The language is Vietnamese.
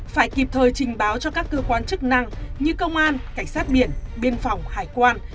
phải kịp thời trình báo cho các cơ quan chức năng như công an cảnh sát biển biên phòng hải quan